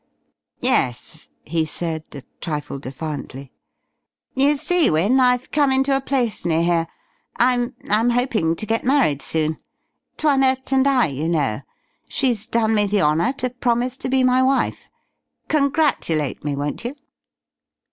"Yes," he said, a trifle defiantly. "You see, Wynne, I've come into a place near here. I'm I'm hoping to get married soon. 'Toinette and I, you know. She's done me the honour to promise to be my wife. Congratulate me, won't you?"